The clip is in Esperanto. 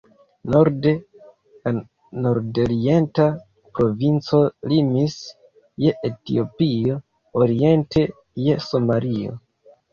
Norde la nordorienta provinco limis je Etiopio, oriente je Somalio.